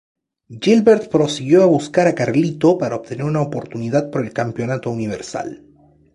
Gilbert prosiguió a buscar a Carlito para obtener una oportunidad por el Campeonato Universal.